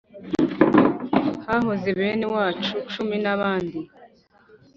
hahoze benewacu cumi n’abandi